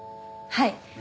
はい。